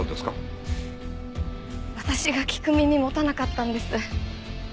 私が聞く耳持たなかったんです。